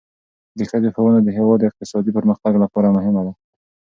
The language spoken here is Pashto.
د ښځو ښوونه د هیواد د اقتصادي پرمختګ لپاره مهمه ده.